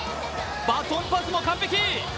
バトンパスも完璧！